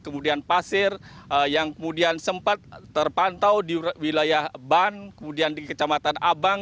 kemudian pasir yang kemudian sempat terpantau di wilayah ban